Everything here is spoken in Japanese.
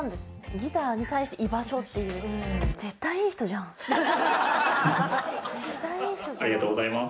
ギターに対して居場所っていう絶対いい人じゃんありがとうございます